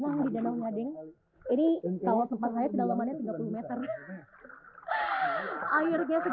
airnya segar banget dan kenapa airnya warnanya disini